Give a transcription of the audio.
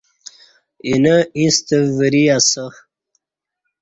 اینہ ییݩستہ وری اسہ